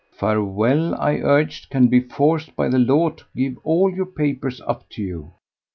"Farewell," I urged, "can be forced by the law to give all your papers up to you."